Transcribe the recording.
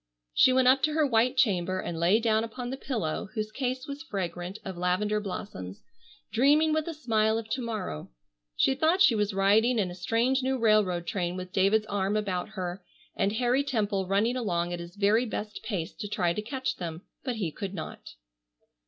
She went up to her white chamber and lay down upon the pillow, whose case was fragrant of lavendar blossoms, dreaming with a smile of to morrow. She thought she was riding in a strange new railroad train with David's arm about her and Harry Temple running along at his very best pace to try to catch them, but he could not.